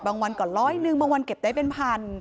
วันก่อนร้อยหนึ่งบางวันเก็บได้เป็นพัน